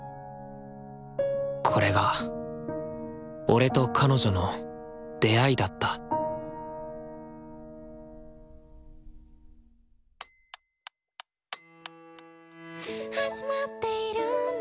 これが俺と彼女の出会いだった「始まっているんだ